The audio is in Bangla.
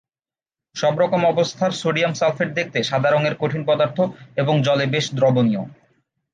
সব রকম অবস্থার সোডিয়াম সালফেট দেখতে সাদা রঙের কঠিন পদার্থ এবং জলে বেশ দ্রবণীয়।